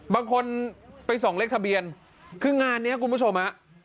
บางคนไปส่องเลขทะเบียนคืองานนี้คุณผู้ชมฮะ